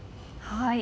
はい。